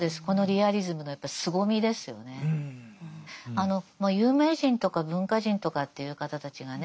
あの有名人とか文化人とかっていう方たちがね